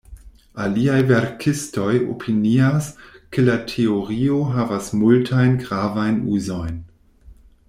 Aliaj verkistoj opinias, ke la teorio havas multajn gravajn uzojn.